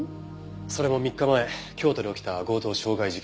それも３日前京都で起きた強盗傷害事件の。